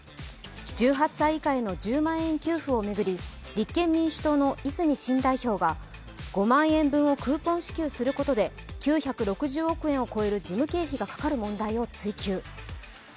１８歳以下への１０万円給付を巡り、立憲民主党の泉新代表が５万円分をクーポン支給することで９６０億円を超える事務経費がかかる問題を追及。